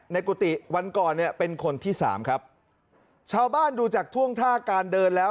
กุฏิวันก่อนเนี่ยเป็นคนที่สามครับชาวบ้านดูจากท่วงท่าการเดินแล้ว